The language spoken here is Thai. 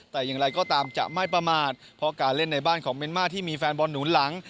แต่อย่างไรก็ตามจะไม่ประมาทเพราะการเล่นในบ้านของเมียนมาร์ที่มีแฟนบอลหนุนหลัง